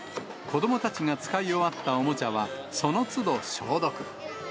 子どもたちが使い終わったおもちゃは、そのつど消毒。